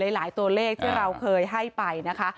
หลายตัวเลขที่เราเคยให้ไปนะคะ